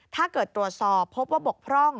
ถ้าเกิดตรวจสอบพบว่าบกพร่อง